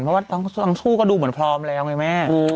เพราะว่าทั้งคู่ก็ดูเหมือนพร้อมแล้วไงแม่